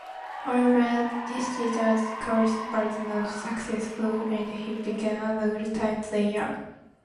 However, this stint as coach was not successful and he became a full-time player.